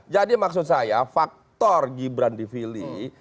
jadi maksud saya faktor gibran di vili